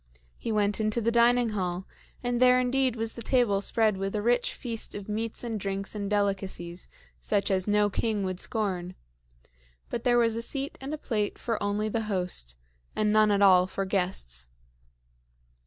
He went into the dining hall, and there indeed was the table spread with a rich feast of meats and drinks and delicacies such as no king would scorn; but there was a seat and a plate for only the host, and none at all for guests.